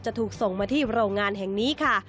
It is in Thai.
ถูกส่งมาที่โรงงานแห่งนี้ค่ะ